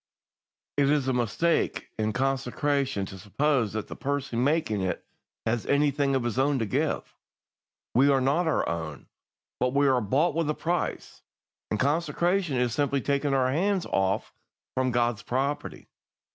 "It is a mistake in consecration to suppose that the person making it has anything of his own to give. We are not our own, but we are bought with a price, and consecration is simply taking our hands off from God's property.